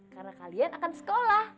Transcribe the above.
karena kalian akan sekolah